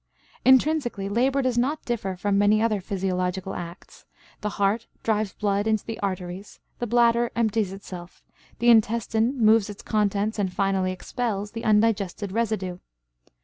Intrinsically, labor does not differ from many other physiological acts. The heart drives blood into the arteries; the bladder empties itself; the intestine moves its contents and finally expels the undigested residue.